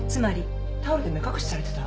タオルで目隠しされてた！？